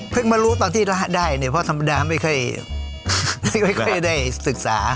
มารู้ตอนที่ได้เนี่ยเพราะธรรมดาไม่ค่อยได้ศึกษา